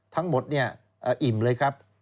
ทั้งหมดเนี่ยอิ่มเลยครับ